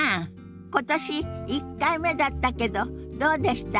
今年１回目だったけどどうでした？